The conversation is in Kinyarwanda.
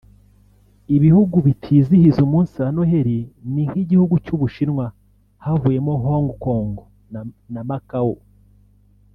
Ibihugu bitizihiza umunsi wa Noheli ni nk’igihugu cy’Ubushinwa (havuyemo Hongo Kongo na Macao)